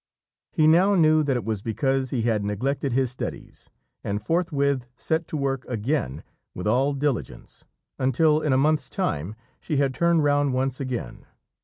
He now knew that it was because he had neglected his studies, and forthwith set to work again with all diligence, until in a month's time she had turned round once again.